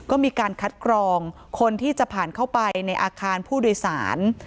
ก็มีการคัดกรองคนที่จะผ่านเข้าไปในอาคารผู้โดยสาร